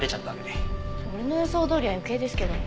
「俺の予想どおり」は余計ですけど。